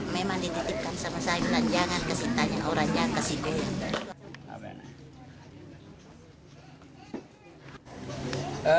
memang dititipkan sama saya dan jangan kasih tanya orangnya kasih dia